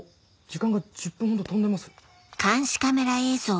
時間が１０分ほど飛んでます。